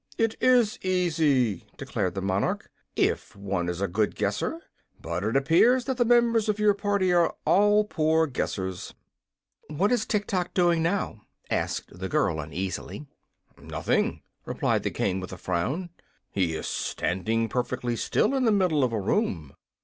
"It IS easy," declared the monarch, "if one is a good guesser. But it appears that the members of your party are all poor guessers." "What is Tiktok doing now?" asked the girl, uneasily. "Nothing," replied the King, with a frown. "He is standing perfectly still, in the middle of a room."